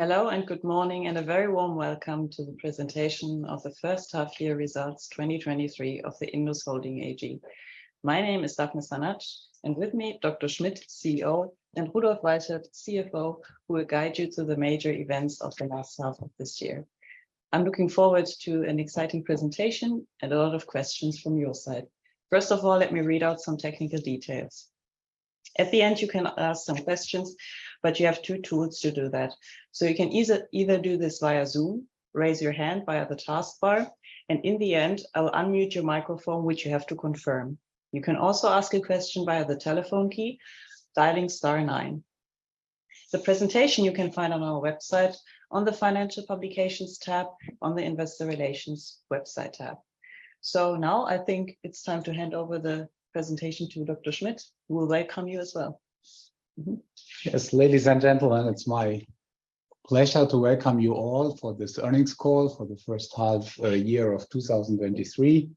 Hello, good morning, and a very warm welcome to the presentation of the first half year results, 2023 of the INDUS Holding AG. My name is Dafne Sanac, with me, Dr. Schmidt, CEO, and Rudolf Weichert, CFO, who will guide you through the major events of the last half of this year. I'm looking forward to an exciting presentation and a lot of questions from your side. First of all, let me read out some technical details. At the end, you can ask some questions, you have two tools to do that. You can either do this via Zoom, raise your hand via the taskbar, in the end, I will unmute your microphone, which you have to confirm. You can also ask a question via the telephone key, dialing star nine. The presentation you can find on our website, on the Financial Publications tab, on the Investor Relations website tab. Now, I think it's time to hand over the presentation to Dr. Schmidt, who will welcome you as well. Yes, ladies and gentlemen, it's my pleasure to welcome you all for this earnings call for the first half, year of 2023.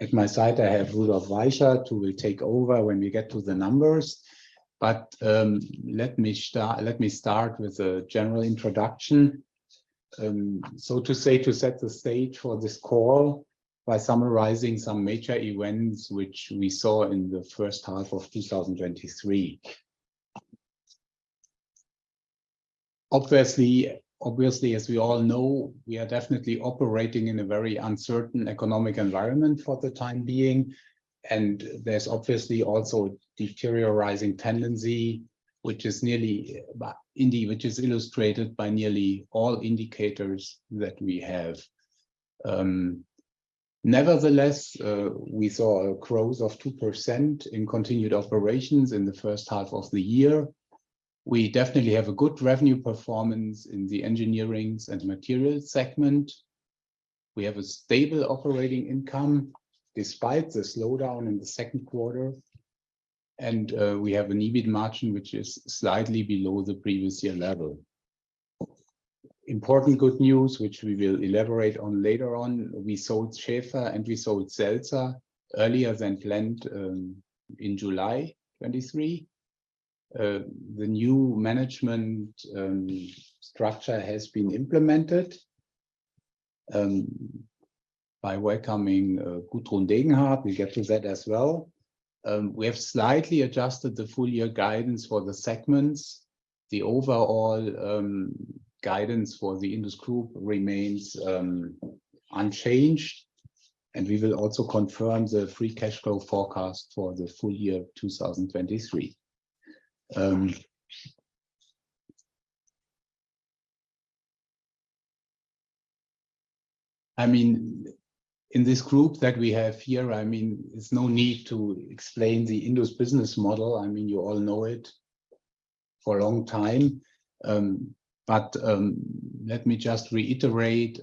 At my side, I have Rudolf Weichert, who will take over when we get to the numbers. Let me start with a general introduction. So to say, to set the stage for this call by summarizing some major events which we saw in the first half of 2023. Obviously, as we all know, we are definitely operating in a very uncertain economic environment for the time being, and there's obviously also deteriorating tendency, which is nearly, indeed, which is illustrated by nearly all indicators that we have. Nevertheless, we saw a growth of 2% in continued operations in the first half of the year. We definitely have a good revenue performance in the engineering and materials segment. We have a stable operating income despite the slowdown in the second quarter, and we have an EBIT margin, which is slightly below the previous year level. Important good news, which we will elaborate on later on, we sold SCHÄFER and we sold SELZER earlier than planned in July 2023. The new management structure has been implemented by welcoming Gudrun Degenhardt. We'll get to that as well. We have slightly adjusted the full year guidance for the segments. The overall guidance for the INDUS Group remains unchanged, and we will also confirm the free cash flow forecast for the full year 2023. I mean, in this group that we have here, I mean, there's no need to explain the INDUS business model. I mean, you all know it for a long time. Let me just reiterate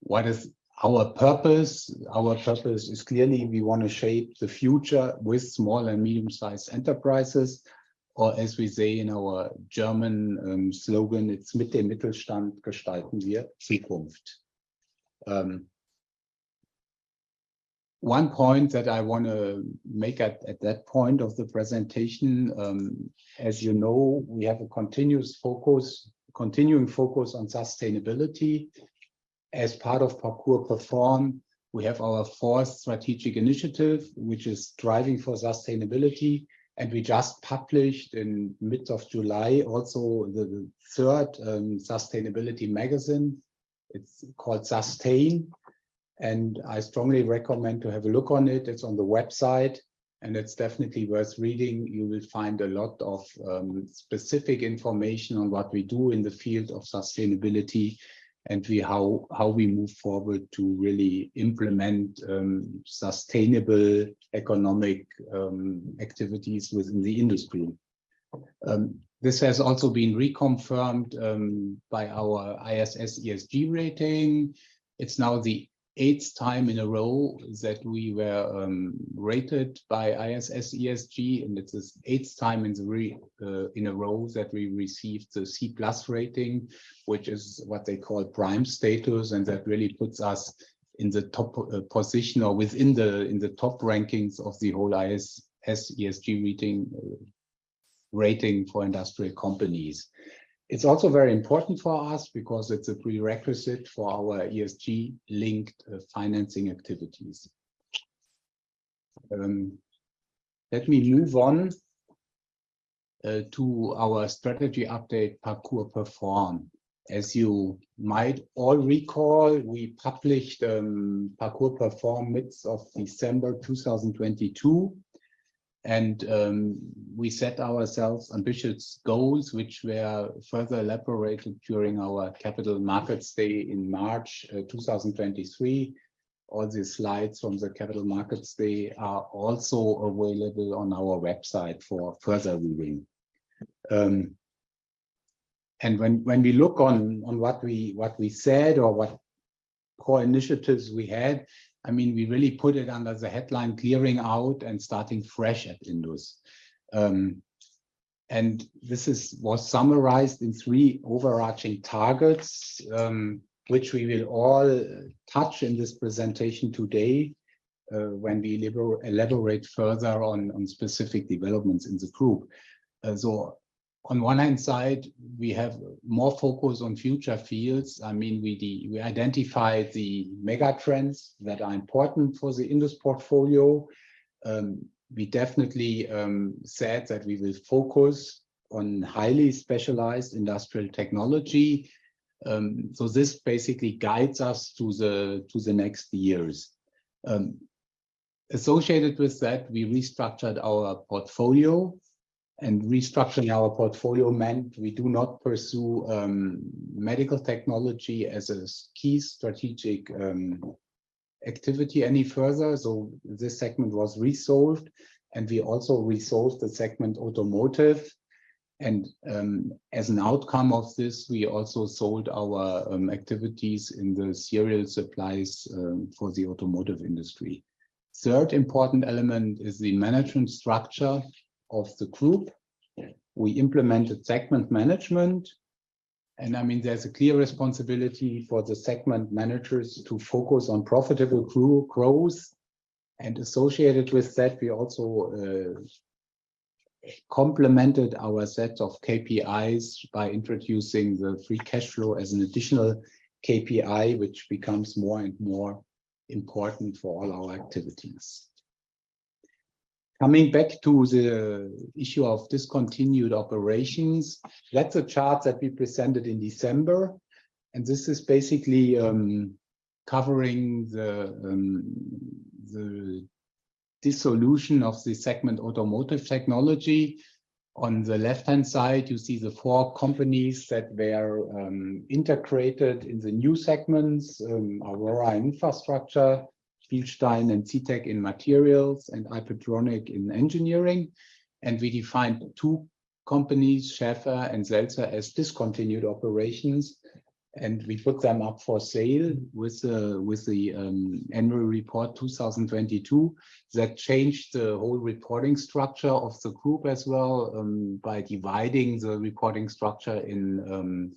what is our purpose. Our purpose is clearly we want to shape the future with small and medium-sized enterprises, or as we say in our German slogan, it's "Mit dem Mittelstand gestalten wir die Zukunft." One point that I want to make at that point of the presentation, as you know, we have a continuing focus on sustainability. As part of PARKOUR perform, we have our fourth strategic initiative, which is driving for sustainability, and we just published in mid of July, also the third sustainability magazine. It's called Sustain, and I strongly recommend to have a look on it. It's on the website, and it's definitely worth reading. You will find a lot of specific information on what we do in the field of sustainability and how, how we move forward to really implement sustainable economic activities within the industry. This has also been reconfirmed by our ISS ESG rating. It's now the eighth time in a row that we were rated by ISS ESG, and it is eighth time in a row that we received the C+ rating, which is what they call Prime Status, and that really puts us in the top position or in the top rankings of the whole ISS ESG rating rating for industrial companies. It's also very important for us because it's a prerequisite for our ESG-linked financing activities. Let me move on to our strategy update, PARKOUR perform. As you might all recall, we published PARKOUR perform midst of December 2022. We set ourselves ambitious goals, which were further elaborated during our Capital Markets Day in March 2023. All the slides from the Capital Markets Day are also available on our website for further reading. When we look on what we said or what core initiatives we had, I mean, we really put it under the headline, "Clearing out and starting fresh at INDUS." This was summarized in three overarching targets, which we will all touch in this presentation today. When we elaborate further on specific developments in the group. On one hand side, we have more focus on future fields. I mean, we, we identify the megatrends that are important for the INDUS portfolio. We definitely said that we will focus on highly specialized industrial technology. This basically guides us to the, to the next years. Associated with that, we restructured our portfolio, restructuring our portfolio meant we do not pursue medical technology as a key strategic activity any further. This segment was resold, we also resold the segment automotive. As an outcome of this, we also sold our activities in the serial supplies for the automotive industry. Third important element is the management structure of the group. We implemented segment management, I mean, there's a clear responsibility for the segment managers to focus on profitable group growth. Associated with that, we also complemented our set of KPIs by introducing the free cash flow as an additional KPI, which becomes more and more important for all our activities. Coming back to the issue of discontinued operations, that's a chart that we presented in December. This is basically covering the dissolution of the segment automotive technology. On the left-hand side, you see the four companies that were integrated in the new segments: AURORA Infrastructure, BILSTEIN and SITEK in materials, and IPETRONIK in engineering. We defined two companies, SCHÄFER and SELZER, as discontinued operations, and we put them up for sale with the annual report 2022. That changed the whole reporting structure of the group as well by dividing the reporting structure in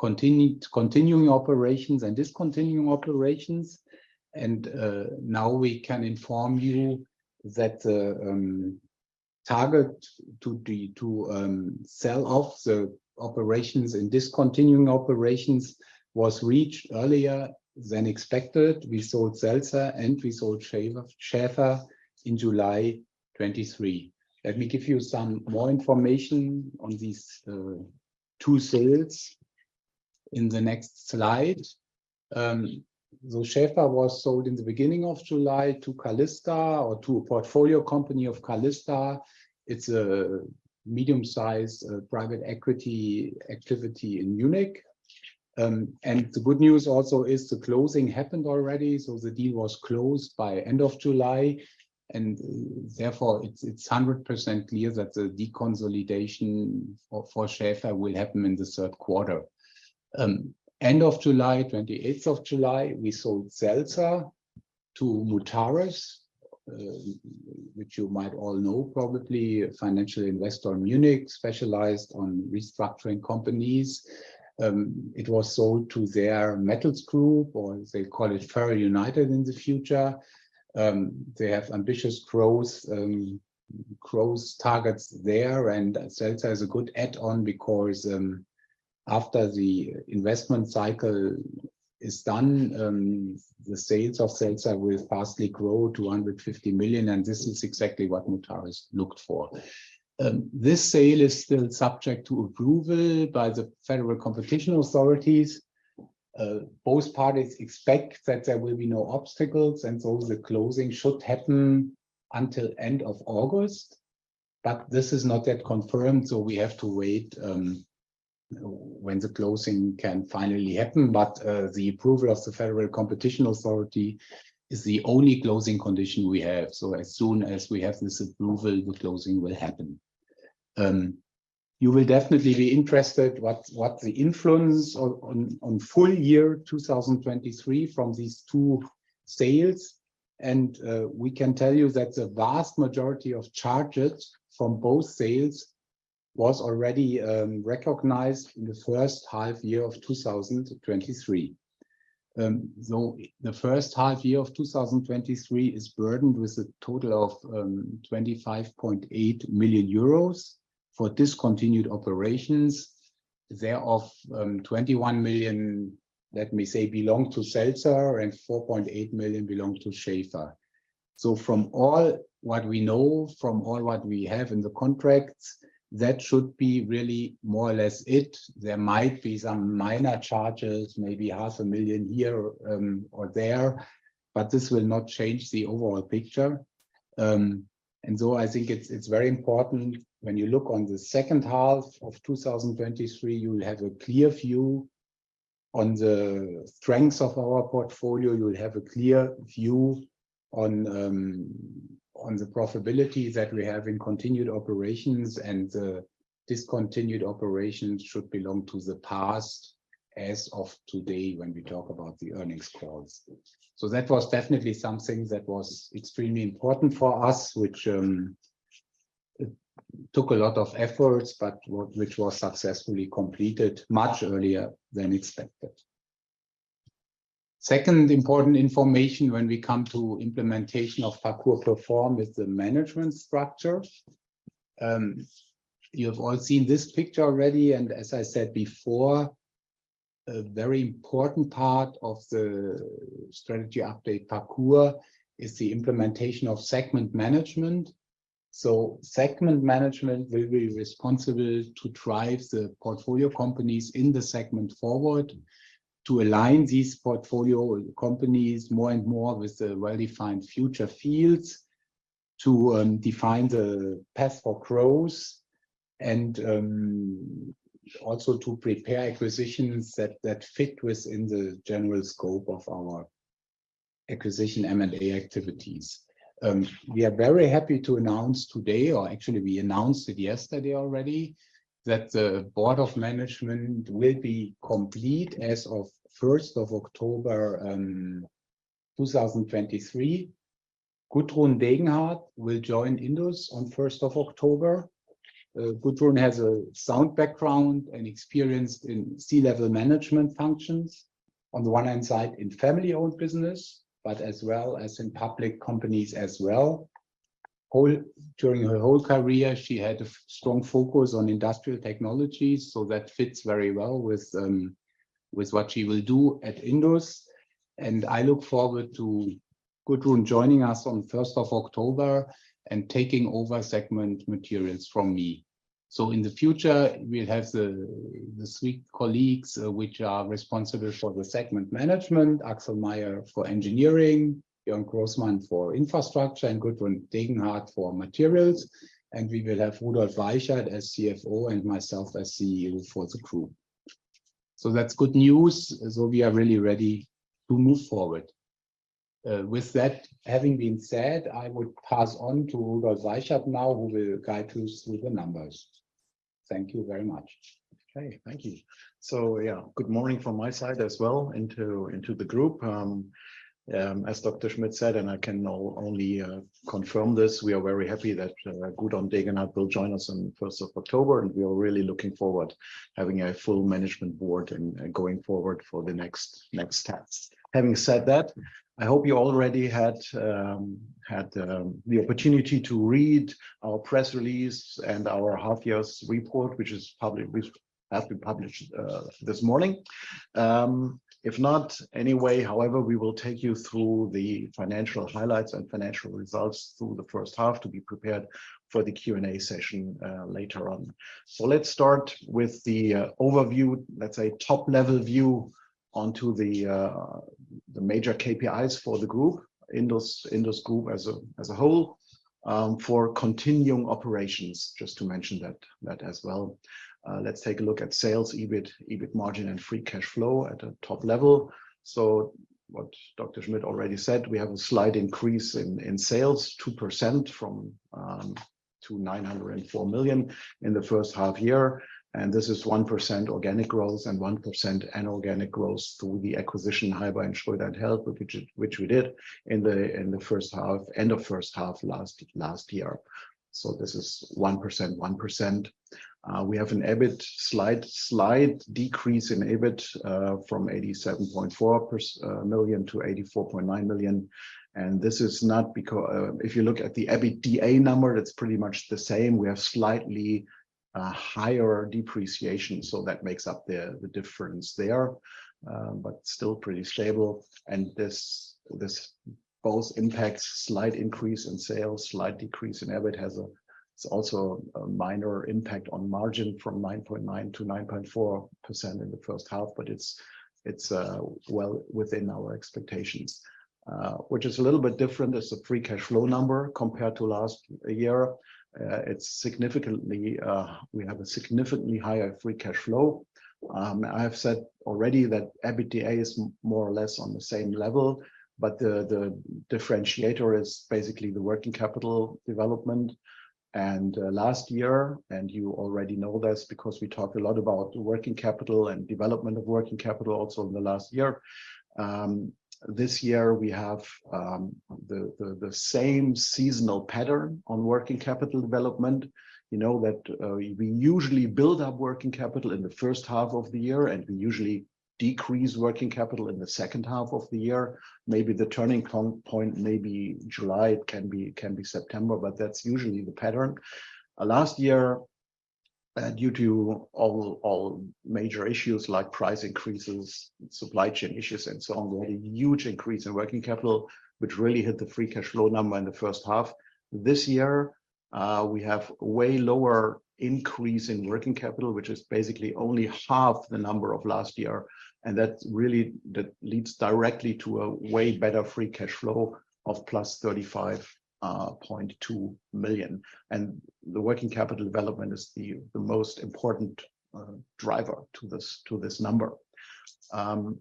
continued, continuing operations and discontinuing operations. Now we can inform you that the target to sell off the operations and discontinuing operations was reached earlier than expected. We sold SELZER and we sold SCHÄFER, SCHÄFER in July 2023. Let me give you some more information on these two sales in the next slide. SCHÄFER was sold in the beginning of July to Callista or to a portfolio company of Callista. It's a medium-sized private equity activity in Munich. The good news also is the closing happened already, so the deal was closed by end of July, and therefore, it's 100% clear that the deconsolidation for SCHÄFER will happen in the third quarter. End of July, July 28, we sold SELZER to Mutares, which you might all know, probably a financial investor in Munich, specialized on restructuring companies. It was sold to their metals group, or they call it FerrAl United in the future. They have ambitious growth, growth targets there, and SELZER is a good add-on because, after the investment cycle is done, the sales of SELZER will vastly grow to 150 million, and this is exactly what Mutares looked for. This sale is still subject to approval by the Federal Competition Authorities. Both parties expect that there will be no obstacles. The closing should happen until end of August. This is not yet confirmed, we have to wait when the closing can finally happen. The approval of the Federal Competition Authority is the only closing condition we have. As soon as we have this approval, the closing will happen. You will definitely be interested what, what the influence on, on, on full year 2023 from these two sales, we can tell you that the vast majority of charges from both sales was already recognized in the first half year of 2023. The first half year of 2023 is burdened with a total of 25.8 million euros for discontinued operations. Thereof, 21 million, let me say, belong to SELZER, and 4.8 million belong to SCHÄFER. From all what we know, from all what we have in the contracts, that should be really more or less it. There might be some minor charges, maybe 500,000 here or there, but this will not change the overall picture. I think it's, it's very important when you look on the second half of 2023, you will have a clear view on the strengths of our portfolio. You will have a clear view on on the profitability that we have in continued operations, and the discontinued operations should belong to the past as of today, when we talk about the earnings calls. That was definitely something that was extremely important for us, which. It took a lot of efforts, but which was successfully completed much earlier than expected. Second important information when we come to implementation of PARKOUR perform is the management structure. You have all seen this picture already, and as I said before, a very important part of the strategy update PARKOUR is the implementation of segment management. Segment management will be responsible to drive the portfolio companies in the segment forward, to align these portfolio companies more and more with the well-defined future fields, to define the path for growth, and also to prepare acquisitions that, that fit within the general scope of our acquisition M&A activities. We are very happy to announce today, or actually we announced it yesterday already, that the board of management will be complete as of 1st of October, 2023. Gudrun Degenhardt will join INDUS on 1st of October. Gudrun has a sound background and experience in C-level management functions, on the one hand side, in family-owned business, but as well as in public companies as well. During her whole career, she had a strong focus on industrial technology, so that fits very well with what she will do at INDUS. I look forward to Gudrun joining us on first of October and taking over segment materials from me. In the future, we'll have the three colleagues which are responsible for the segment management: Axel Meyer for engineering, Jörn Großmann for infrastructure, and Gudrun Degenhardt for materials. We will have Rudolf Weichert as CFO and myself as CEO for the crew. That's good news, so we are really ready to move forward. With that having been said, I would pass on to Rudolf Weichert now, who will guide us through the numbers. Thank you very much. Okay, thank you. Yeah, good morning from my side as well into, into the group. As Dr. Schmidt said, and I can now only confirm this, we are very happy that Gudrun Degenhardt will join us on first of October, and we are really looking forward having a full management board and, and going forward for the next, next steps. Having said that, I hope you already had had the opportunity to read our press release and our half year's report, which is published- which has been published this morning. If not, anyway, however, we will take you through the financial highlights and financial results through the first half to be prepared for the Q&A session later on. Let's start with the overview, let's say, top-level view onto the major KPIs for the group, INDUS, INDUS Group as a whole, for continuing operations, just to mention that as well. Let's take a look at sales, EBIT, EBIT margin, and free cash flow at a top level. What Dr. Schmidt already said, we have a slight increase in sales, 2% from to 904 million in the first half year, and this is 1% organic growth and 1% inorganic growth through the acquisition, Heiber + Schröder, which we did in the first half, end of first half last year. This is 1%, 1%. We have an EBIT slight, slight decrease in EBIT, from 87.4 million to 84.9 million. This is not because... if you look at the EBITDA number, that's pretty much the same. We have slightly higher depreciation, so that makes up the, the difference there, but still pretty stable. This, this both impacts slight increase in sales, slight decrease in EBIT, it's also a minor impact on margin from 9.9% to 9.4% in the first half, but it's, it's, well within our expectations. Which is a little bit different is the free cash flow number compared to last year. It's significantly, we have a significantly higher free cash flow. I have said already that EBITDA is more or less on the same level. The differentiator is basically the working capital development. Last year, and you already know this because we talked a lot about working capital and development of working capital also in the last year, this year we have the same seasonal pattern on working capital development. You know, that we usually build up working capital in the first half of the year, we usually decrease working capital in the second half of the year. Maybe the turning point may be July, it can be, it can be September, that's usually the pattern. Last year, due to all, all major issues like price increases, supply chain issues, and so on, we had a huge increase in working capital, which really hit the free cash flow number in the first half. This year, we have way lower increase in working capital, which is basically only half the number of last year, and that really, that leads directly to a way better free cash flow of plus 35.2 million. The working capital development is the, the most important driver to this, to this number. Some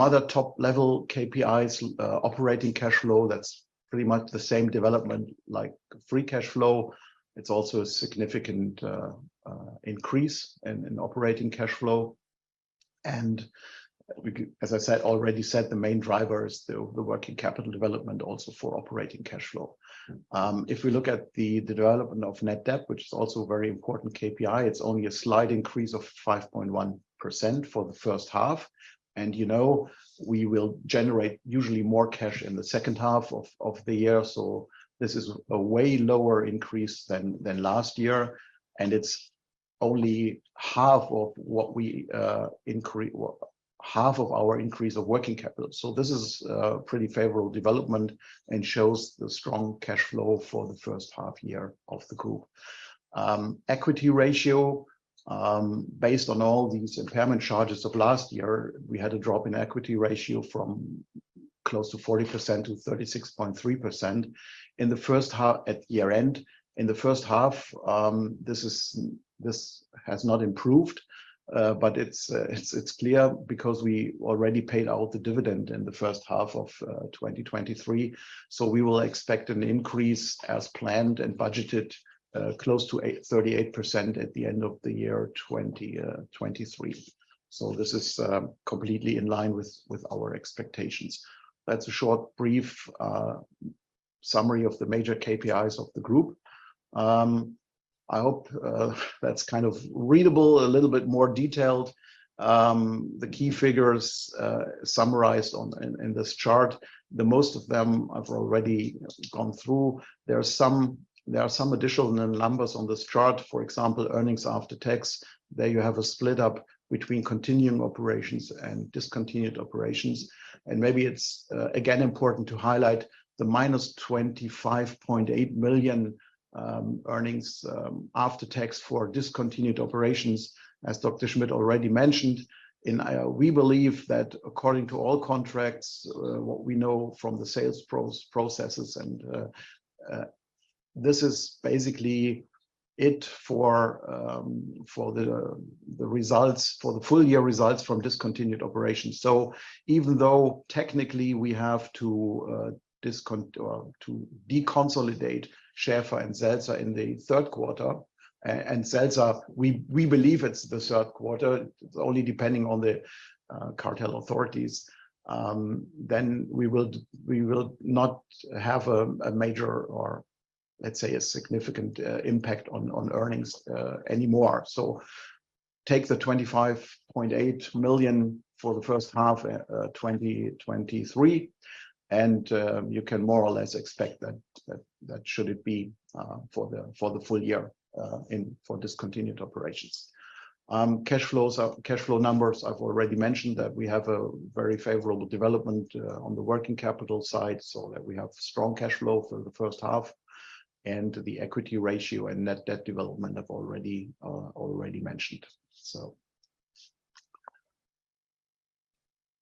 other top-level KPIs, operating cash flow, that's pretty much the same development like free cash flow. It's also a significant increase in, in operating cash flow. We, as I said, already said, the main driver is the, the working capital development also for operating cash flow. If we look at the, the development of net debt, which is also a very important KPI, it's only a slight increase of 5.1% for the first half. You know, we will generate usually more cash in the second half of the year. This is a way lower increase than last year, and it's only half of what we, well, half of our increase of working capital. This is a pretty favorable development and shows the strong cash flow for the first half year of the group. Equity ratio, based on all these impairment charges of last year, we had a drop in equity ratio from close to 40% to 36.3% in the first half, at year-end. In the first half, this is-- this has not improved, but it's clear because we already paid out the dividend in the first half of 2023. We will expect an increase as planned and budgeted, close to 38% at the end of the year 2023. This is completely in line with, with our expectations. That's a short, brief summary of the major KPIs of the group. I hope that's kind of readable, a little bit more detailed. The key figures, summarized on, in, in this chart, the most of them I've already gone through. There are some, there are some additional numbers on this chart, for example, earnings after tax. There you have a split up between continuing operations and discontinued operations. Maybe it's again, important to highlight the -25.8 million earnings after tax for discontinued operations, as Dr. Schmidt already mentioned. We believe that according to all contracts, what we know from the sales processes, and this is basically it for the results, for the full year results from discontinued operations. Even though technically we have to deconsolidate SCHÄFER and SELZER in the third quarter, and SELZER, we, we believe it's the third quarter, it's only depending on the cartel authorities, then we will not have a major or let's say, a significant impact on earnings anymore. Take the 25.8 million for the first half, 2023, and you can more or less expect that, that, that should it be for the, for the full year, in, for discontinued operations. Cash flows are cash flow numbers, I've already mentioned that we have a very favorable development on the working capital side, so that we have strong cash flow for the first half, and the equity ratio and net debt development I've already, already mentioned.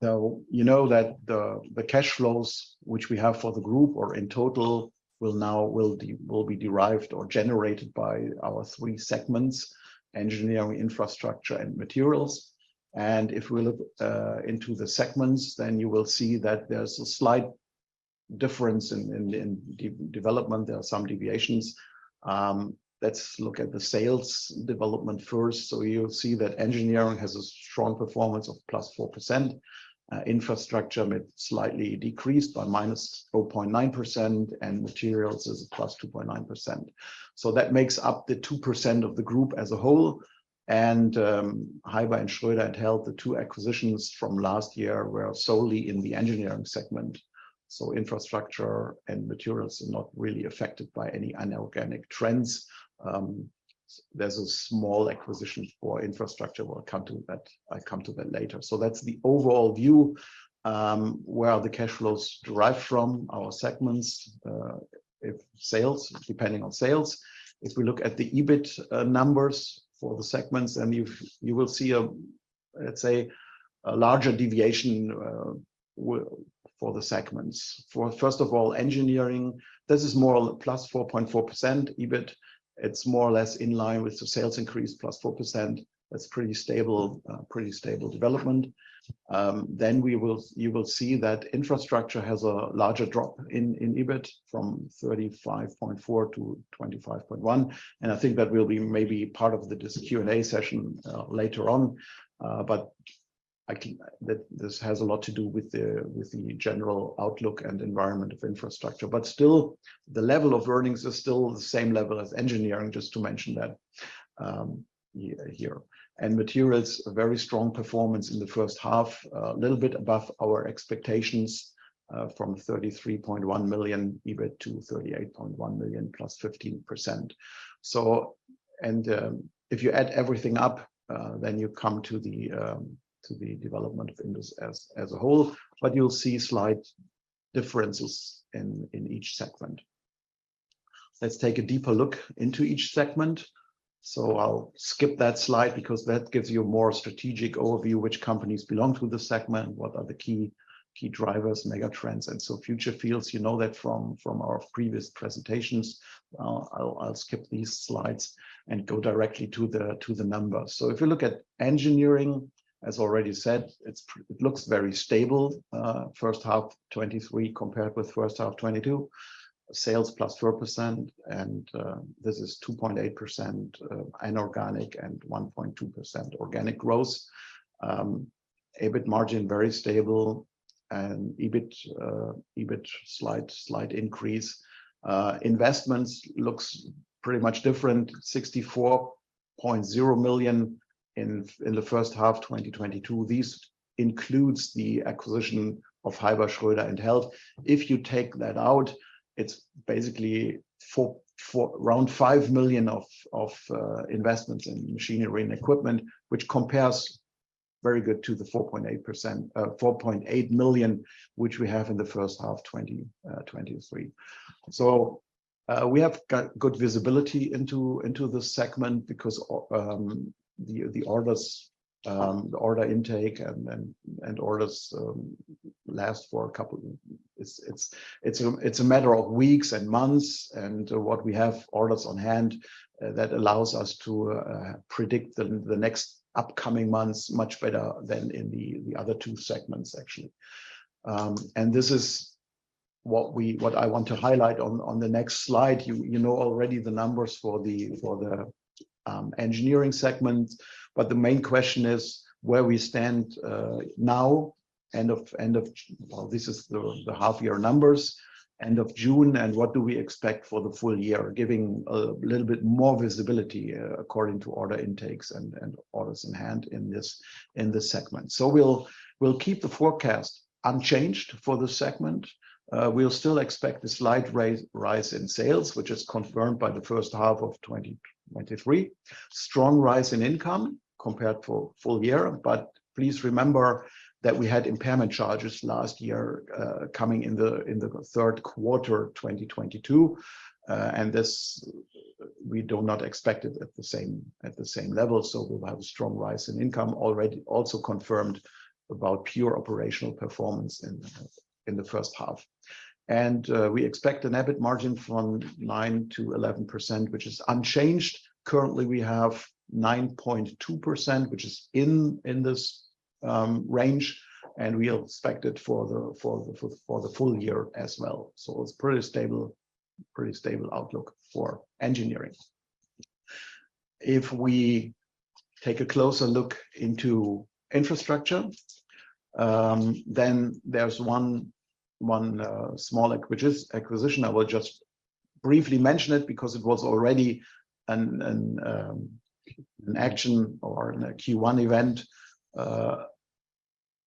You know that the, the cash flows which we have for the group or in total, will now, will be derived or generated by our three segments: Engineering, Infrastructure, and Materials. If we look into the segments, then you will see that there's a slight difference in development. There are some deviations. Let's look at the sales development first. You'll see that engineering has a strong performance of +4%. Infrastructure, it slightly decreased by -0.9%, and materials is a +2.9%. That makes up the 2% of the group as a whole. Heiber + Schröder had held the two acquisitions from last year were solely in the engineering segment, so infrastructure and materials are not really affected by any inorganic trends. There's a small acquisition for infrastructure. We'll come to that, I come to that later. That's the overall view, where the cash flows derive from our segments, if sales, depending on sales. If we look at the EBIT numbers for the segments, then you, you will see a, let's say, a larger deviation for the segments. First of all, engineering, this is more +4.4% EBIT. It's more or less in line with the sales increase, +4%. That's pretty stable, pretty stable development. You will see that infrastructure has a larger drop in EBIT from 35.4 million to 25.1 million, and I think that will be maybe part of the Q&A session later on. I think that this has a lot to do with the, with the general outlook and environment of infrastructure. Still, the level of earnings is still the same level as engineering, just to mention that here. Materials, a very strong performance in the first half, a little bit above our expectations, from 33.1 million EBIT to 38.1 million, +15%. If you add everything up, then you come to the development of INDUS as, as a whole, but you'll see slight differences in, in each segment. Let's take a deeper look into each segment. I'll skip that slide because that gives you a more strategic overview, which companies belong to the segment, what are the key, key drivers, mega trends, and so future fields. You know that from, from our previous presentations. I'll, I'll skip these slides and go directly to the, to the numbers. If you look at engineering, as already said, it looks very stable. First half 2023 compared with first half 2022, sales plus 4%, and this is 2.8% inorganic and 1.2% organic growth. EBIT margin, very stable. EBIT, EBIT slight, slight increase. Investments looks pretty much different, 64.0 million in the first half 2022. This includes the acquisition of Heiber + Schröder. If you take that out, it's basically around 5 million of investments in machinery and equipment, which compares very good to the 4.8 million, which we have in the first half 2023. We have got good visibility into this segment because the orders, the order intake and orders last for a couple... It's a matter of weeks and months, and what we have orders on hand, that allows us to predict the next upcoming months much better than in the other two segments, actually. This is what we-- what I want to highlight on, on the next slide. You, you know already the numbers for the, for the engineering segment, but the main question is where we stand now, end of, end of J-- well, this is the, the half-year numbers, end of June, what do we expect for the full year? Giving a little bit more visibility according to order intakes and, and orders in hand in this, in this segment. We'll, we'll keep the forecast unchanged for this segment. We'll still expect a slight rise, rise in sales, which is confirmed by the first half of 2023. Strong rise in income compared for full year, but please remember that we had impairment charges last year coming in the, in the third quarter, 2022. This, we do not expect it at the same level, so we'll have a strong rise in income already. Also confirmed about pure operational performance in the first half. We expect an EBIT margin from 9%-11%, which is unchanged. Currently, we have 9.2%, which is in this range, and we expect it for the full year as well. It's pretty stable, pretty stable outlook for engineering. If we take a closer look into Infrastructure, then there's one small acquisition. I will just briefly mention it because it was already an action or in a Q1 event.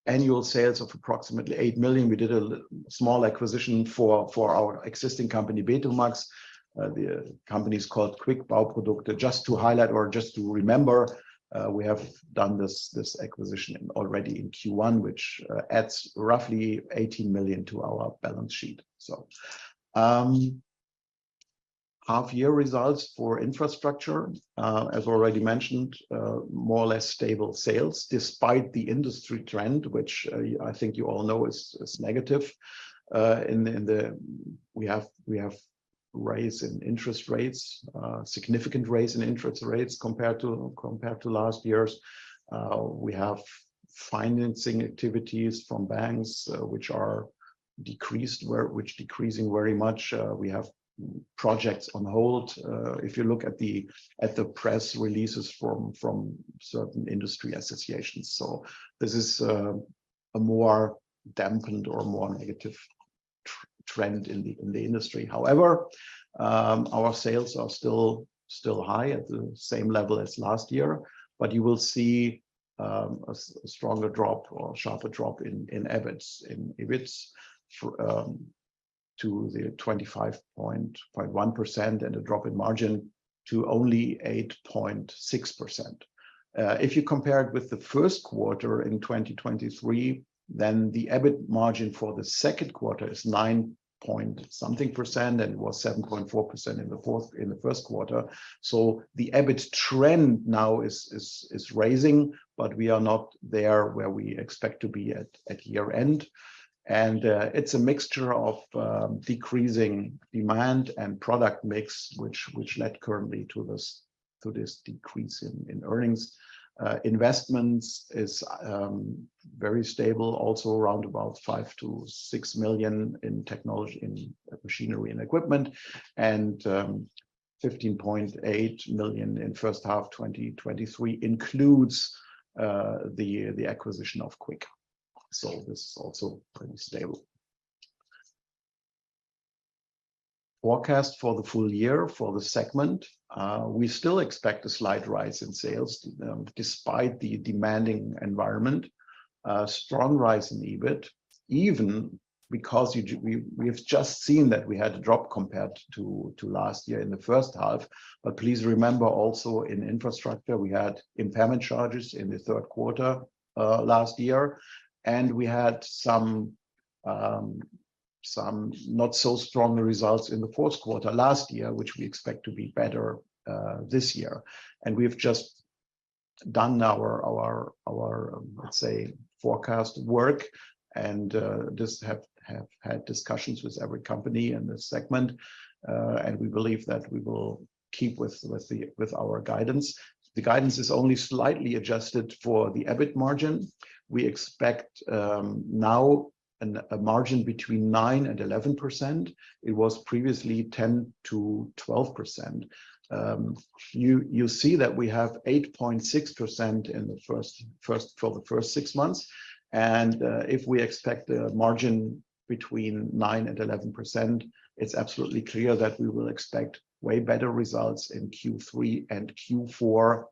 Annual sales of approximately 8 million. We did a small acquisition for our existing company, BETOMAX. The company is called QUICK Bauprodukte. Just to highlight or just to remember, we have done this, this acquisition already in Q1, which adds roughly 18 million to our balance sheet. Half-year results for infrastructure, as already mentioned, more or less stable sales, despite the industry trend, which I think you all know is negative. We have, we have rise in interest rates, significant rise in interest rates compared to, compared to last year's. We have financing activities from banks, which are decreased, which decreasing very much. We have projects on hold, if you look at the press releases from certain industry associations. This is a more dampened or a more negative trend in the industry. Our sales are still, still high at the same level as last year, you will see a stronger drop or a sharper drop in, in EBIT, in EBIT, for 25.1% and a drop in margin to only 8.6%. If you compare it with the first quarter in 2023, the EBIT margin for the second quarter is 9.something%, and it was 7.4% in the fourth-- in the first quarter. The EBIT trend now is, is, is raising, we are not there where we expect to be at, at year-end. It's a mixture of decreasing demand and product mix, which, which led currently to this, to this decrease in, in earnings. Investments is very stable, also around 5 million-6 million in technology-- in machinery and equipment, and 15.8 million in first half 2023 includes the acquisition of QUICK. This is also pretty stable. Forecast for the full year for the segment, we still expect a slight rise in sales, despite the demanding environment. A strong rise in EBIT, even because we have just seen that we had a drop compared to last year in the first half. Please remember also in infrastructure, we had impairment charges in the third quarter last year, and we had some not so strong results in the fourth quarter last year, which we expect to be better this year. We've just done our, our, our, let's say, forecast work and just have, have had discussions with every company in this segment, and we believe that we will keep with, with our guidance. The guidance is only slightly adjusted for the EBIT margin. We expect now a margin between 9% and 11%. It was previously 10%-12%. You, you see that we have 8.6% in the first for the first six months. If we expect a margin between 9% and 11%, it's absolutely clear that we will expect way better results in Q3 and Q4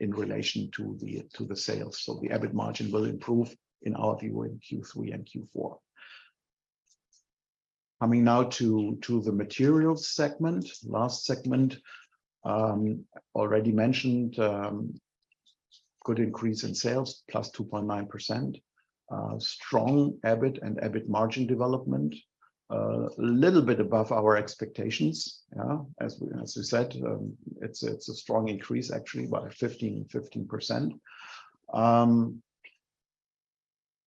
in relation to the, to the sales. The EBIT margin will improve, in our view, in Q3 and Q4. Coming now to, to the materials segment, last segment, already mentioned, good increase in sales, plus 2.9%. Strong EBIT and EBIT margin development. A little bit above our expectations, yeah. As we, as we said, it's a strong increase, actually, about 15%.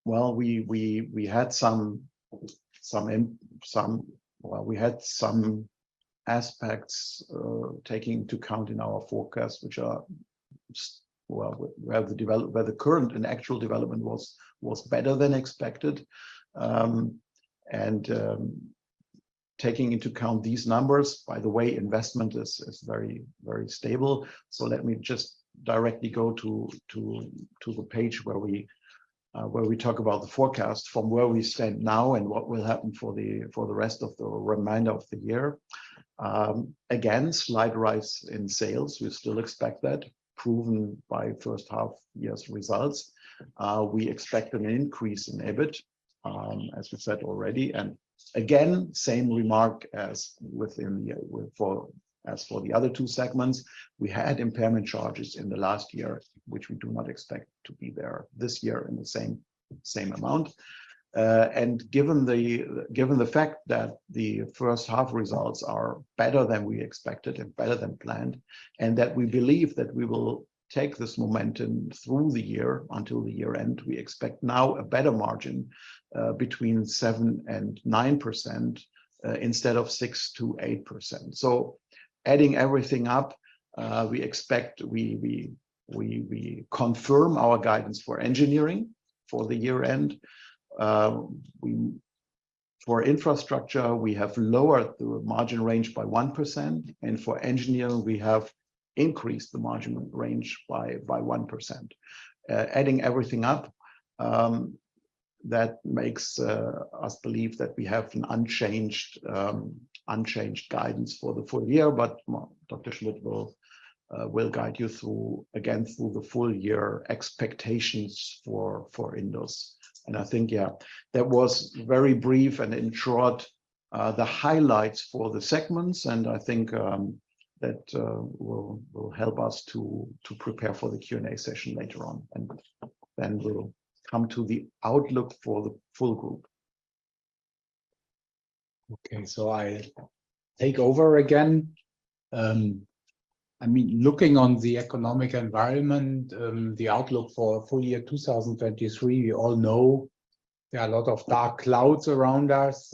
Well, we, we, we had some aspects, taking into account in our forecast, where the current and actual development was, was better than expected. Taking into account these numbers, by the way, investment is, is very, very stable. Let me just directly go to, to, to the page where we, where we talk about the forecast from where we stand now and what will happen for the, for the rest of the remainder of the year. Again, slight rise in sales. We still expect that, proven by 1st half year's results. We expect an increase in EBIT, as we said already. Again, same remark as within the, for, as for the other two segments. We had impairment charges in the last year, which we do not expect to be there this year in the same, same amount. Given the, given the fact that the 1st half results are better than we expected and better than planned, and that we believe that we will take this momentum through the year until the year-end, we expect now a better margin, between 7% and 9%, instead of 6% to 8%. Adding everything up, we expect we, we, we, we confirm our guidance for engineering for the year-end. For infrastructure, we have lowered the margin range by 1%, for engineering, we have increased the margin range by 1%. Adding everything up, that makes us believe that we have an unchanged, unchanged guidance for the full year. Dr. Schmidt will guide you through, again, through the full year expectations for INDUS. I think, yeah, that was very brief and in short, the highlights for the segments. I think that will help us to prepare for the Q&A session later on. Then we'll come to the outlook for the full group. Okay, I take over again. Looking on the economic environment, the outlook for full year 2023, we all know there are a lot of dark clouds around us,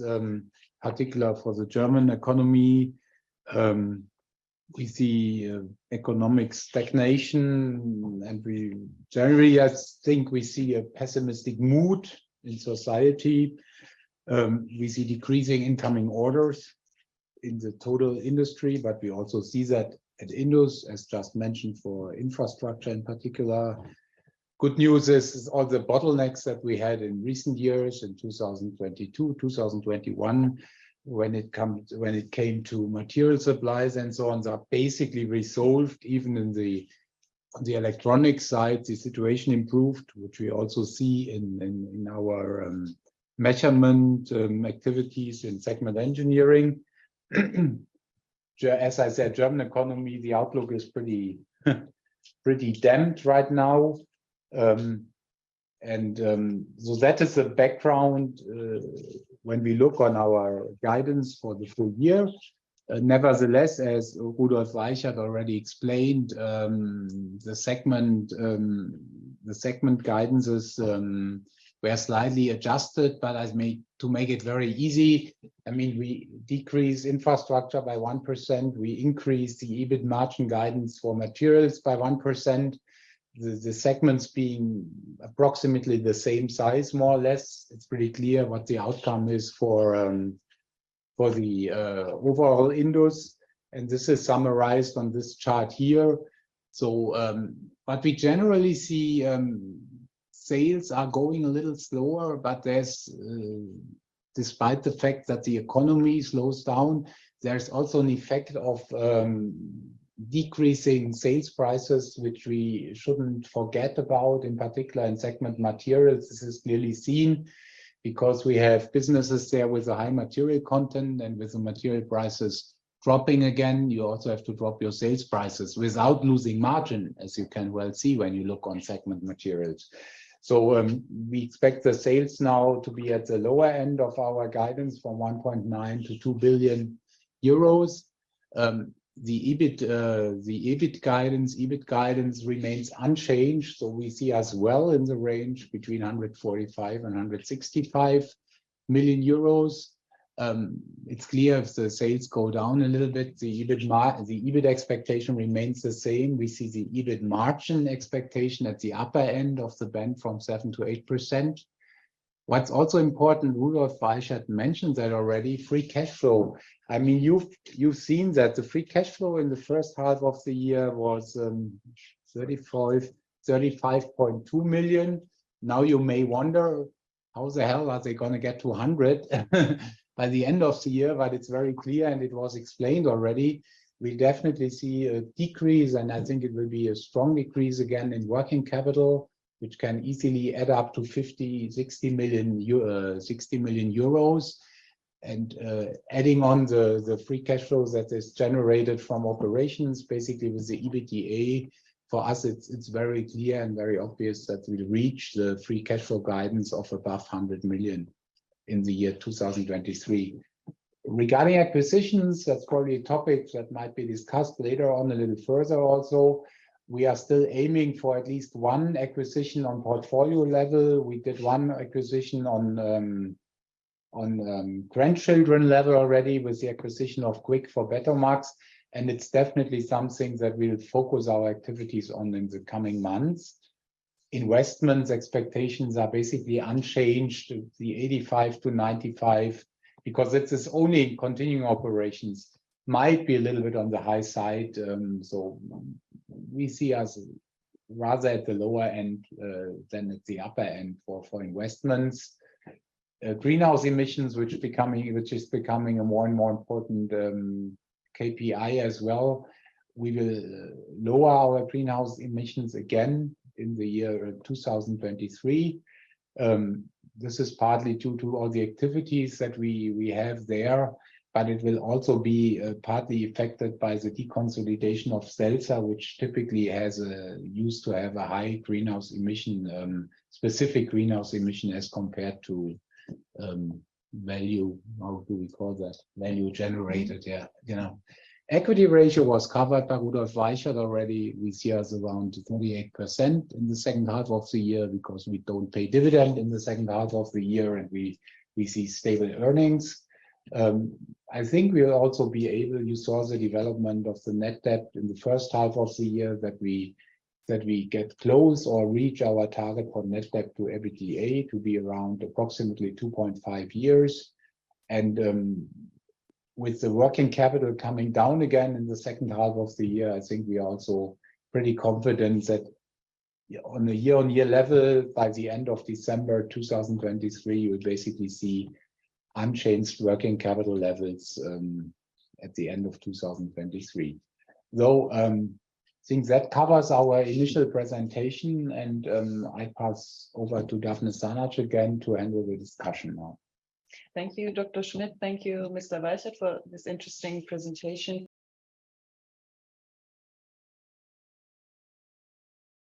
particular for the German economy. We see economic stagnation, and we generally, I think we see a pessimistic mood in society. We see decreasing incoming orders in the total industry, but we also see that at INDUS, as just mentioned, for infrastructure in particular. Good news is all the bottlenecks that we had in recent years, in 2022, 2021, when it came to material supplies and so on, are basically resolved. Even on the electronic side, the situation improved, which we also see in our measurement activities in segment engineering. As I said, German economy, the outlook is pretty, pretty damped right now. That is the background when we look on our guidance for the full year. As Rudolf Weichert had already explained, the segment guidance is, were slightly adjusted, but as to make it very easy, I mean, we decrease Infrastructure by 1%. We increase the EBIT margin guidance for Materials by 1%. The segments being approximately the same size, more or less. It's pretty clear what the outcome is for, for the overall INDUS, and this is summarized on this chart here. We generally see sales are going a little slower, but there's despite the fact that the economy slows down, there's also an effect of decreasing sales prices, which we shouldn't forget about. In particular, in segment Materials, this is clearly seen because we have businesses there with a high material content and with the material prices dropping again, you also have to drop your sales prices without losing margin, as you can well see when you look on segment Materials. We expect the sales now to be at the lower end of our guidance from 1.9 billion-2 billion euros. The EBIT, the EBIT guidance, EBIT guidance remains unchanged, so we see as well in the range between 145 million euros and 165 million euros. It's clear if the sales go down a little bit, the EBIT margin, the EBIT expectation remains the same. We see the EBIT margin expectation at the upper end of the bank from 7%-8%. What's also important, Rudolf Weichert had mentioned that already, free cash flow. I mean, you've seen that the free cash flow in the first half of the year was 35.2 million. You may wonder. How the hell are they gonna get to 100 million by the end of the year? It's very clear, and it was explained already. We definitely see a decrease, and I think it will be a strong decrease again in working capital, which can easily add up to 50 million-60 million euros. Adding on the, the free cash flows that is generated from operations, basically with the EBITDA, for us, it's, it's very clear and very obvious that we'll reach the free cash flow guidance of above 100 million in the year 2023. Regarding acquisitions, that's probably a topic that might be discussed later on a little further also. We are still aiming for at least one acquisition on portfolio level. We did one acquisition on, on grandchildren level already with the acquisition of QUICK for BETOMAX, and it's definitely something that we'll focus our activities on in the coming months. Investments expectations are basically unchanged, the 85 million-95 million, because it is only continuing operations. Might be a little bit on the high side, so we see us rather at the lower end, than at the upper end for, for investments. Greenhouse emissions, which is becoming, which is becoming a more and more important KPI as well. We will lower our greenhouse emissions again in the year 2023. This is partly due to all the activities that we, we have there, but it will also be partly affected by the deconsolidation of SELZER, which typically has a used to have a high greenhouse emission, specific greenhouse emission as compared to value, how do we call that? Value generated, yeah, you know. Equity ratio was covered by Rudolf Weichert already. We see us around 38% in the second half of the year because we don't pay dividend in the second half of the year, and we, we see stable earnings. I think we'll also be able. You saw the development of the net debt in the first half of the year, that we, that we get close or reach our target for net debt to EBITDA to be around approximately 2.5 years. With the working capital coming down again in the second half of the year, I think we are also pretty confident that on a year-on-year level, by the end of December 2023, you would basically see unchanged working capital levels at the end of 2023. I think that covers our initial presentation, and I pass over to Dafne Sanac again to handle the discussion now. Thank you, Dr. Schmidt. Thank you, Mr. Weichert, for this interesting presentation.